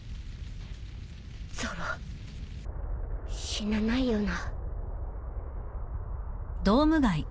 ゾロ死なないよな。